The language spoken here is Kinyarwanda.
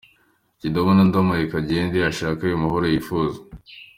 Njye ndabona ndamureka agende, ashake ayo mahoro yifuza.